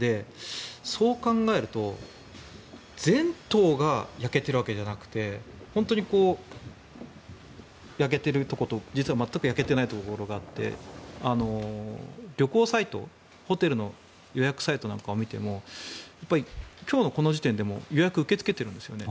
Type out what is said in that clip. そう考えると全島が焼けてるわけじゃなくて本当に焼けているところと全く焼けていないところがあって旅行サイトホテルの予約サイトなんかを見ても今日のこの時点でも予約を受け付けてるんですよね。